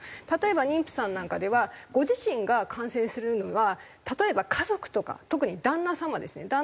例えば妊婦さんなんかではご自身が感染するのは例えば家族とか特に旦那様ですね。